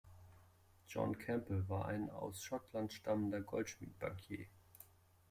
John Campbell war ein aus Schottland stammender Goldschmied-Bankier.